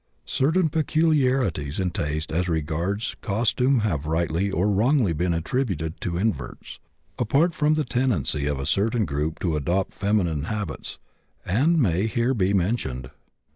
Certain peculiarities in taste as regards costume have rightly or wrongly been attributed to inverts, apart from the tendency of a certain group to adopt feminine habits, and may here be mentioned.